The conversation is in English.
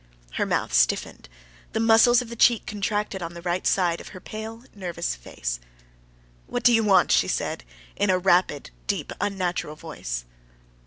Her mouth stiffened, the muscles of the cheek contracted on the right side of her pale, nervous face. "What do you want?" she said in a rapid, deep, unnatural voice.